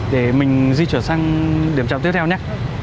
để mình di chuyển sang điểm trạm tiếp theo nhé